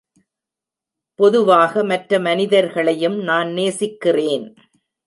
பொதுவாக மற்ற மனிதர்களையும் நான் நேசிக்கிறேன்.